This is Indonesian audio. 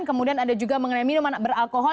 kemudian ada juga mengenai minuman beralkohol